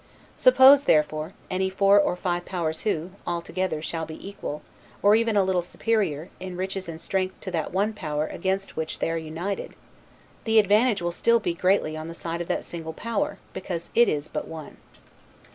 Suppose, therefore, any four or five powers who, all together, shall be equal, or even a little superior, in riches and strength to that one power against which they are united; the advantage will still be greatly on the side of that single power, because it is but one.